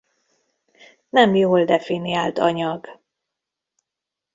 Nem jól definiált anyag.